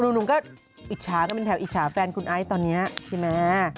หนุ่มก็อิจฉากันเป็นแถวอิจฉาแฟนคุณไอซ์ตอนนี้ใช่ไหม